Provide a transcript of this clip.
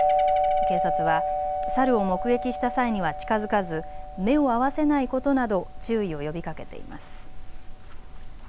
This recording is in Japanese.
警察はサルを目撃した際には近づかず目を合わせないことなど注意を呼びかけています。